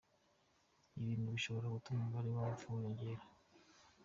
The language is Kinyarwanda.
Ibintu bishobora gutuma umubare w’abapfa wiyongera.